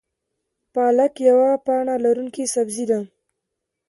پالک یوه پاڼه لرونکی سبزی ده